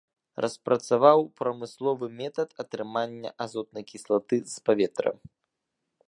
Распрацаваў прамысловы метад атрымання азотнай кіслаты з паветра.